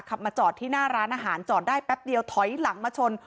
มาจอดที่หน้าร้านอาหารจอดได้แป๊บเดียวถอยหลังมาชน